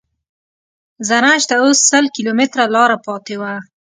زرنج ته اوس سل کیلومتره لاره پاتې وه.